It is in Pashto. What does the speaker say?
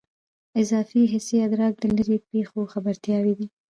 اضافي حسي ادراک د لیرې پېښو خبرتیاوې دي.